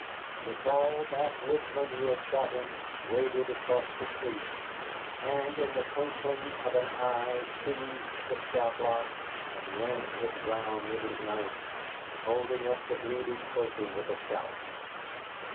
The tall backwoodsman who had shot him waded across the stream, and in the twinkling of an eye seized the scalp lock and ran it round with his knife, holding up the bleeding trophy with a shout.